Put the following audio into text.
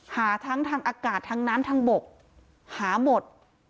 หาทั้งทางอากาศทางน้ำทางบกหาหมด